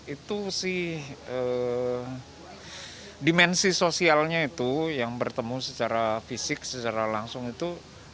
itu sih dimensi sosialnya itu yang bertemu secara fisik secara langsung itu